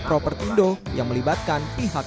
propertindo yang melibatkan pihak